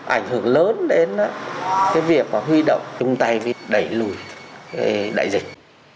ảnh hưởng lớn đến cái việc mà huy động chung tay vì đẩy lùi đại dịch